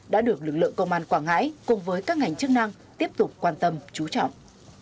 đã được lực lượng công an quảng ngãi cùng với các ngành chức năng tiếp tục quan tâm trú trọng